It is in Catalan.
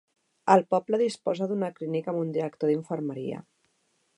El poble disposa d'una clínica amb un director d'infermeria.